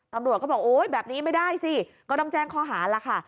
ตำรวจก็บอกโอ๊ยแบบนี้ไม่ได้สิก็ต้องแจ้งข้อหาล่ะค่ะ